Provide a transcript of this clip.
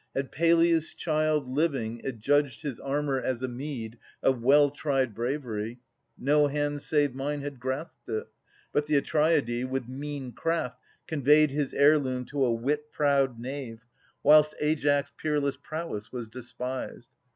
Had Peleus' child, Living, adjudged his armour as a meed Of well tried bravAy, no hand save mine Had grasped it. But the Atreidae with mean craft Conveyed his heirloom to a wit proud knave, Whilst Aias' peerless prowess was despised.